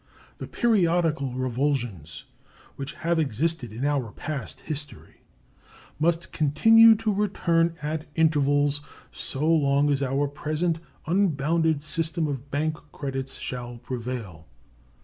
The periodical revulsions which have existed in our past history must continue to return at intervals so long as our present unbounded system of bank credits shall prevail.